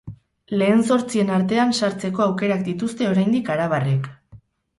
Lehen zortzien artean sartzeko aukerak dituzte oraindik arabarrek.